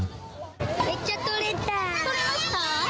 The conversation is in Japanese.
めっちゃ取れたー。取れました？